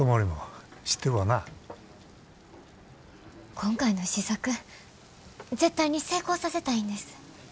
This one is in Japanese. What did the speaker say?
今回の試作絶対に成功させたいんです。